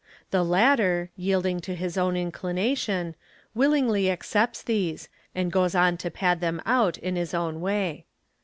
The latter, yielding to his own inclination, willingty accepts these, and goes on to pad them out in his own way.